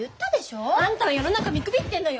あんたは世の中見くびってんのよ。